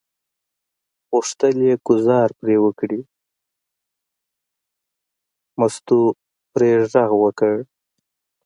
غوښتل یې ګوزار پرې وکړي، مستو پرې غږ وکړ.